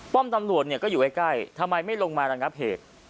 ป้อมตำรวจก็อยู่ไว้ใกล้ทำไมไม่ลงมารังกับเหตุ